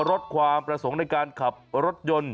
ลดความประสงค์ในการขับรถยนต์